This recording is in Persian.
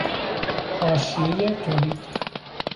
حاشیهی تولید